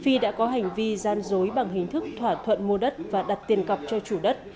phi đã có hành vi gian dối bằng hình thức thỏa thuận mua đất và đặt tiền cọc cho chủ đất